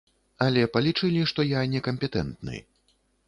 Але палічылі, што я некампетэнтны.